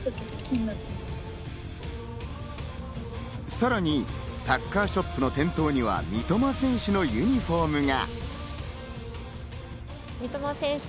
さらにサッカーショップの店頭には、三笘選手のユニホームが。